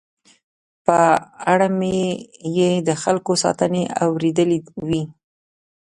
په اړه مې یې د خلکو ستاينې اورېدلې وې.